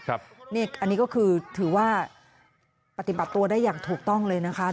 อันนี้ก็คือถือว่าปฏิบัติตัวได้อย่างถูกต้องเลยนะคะ